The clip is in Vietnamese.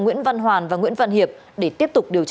nguyễn văn hoàn và nguyễn văn hiệp để tiếp tục điều tra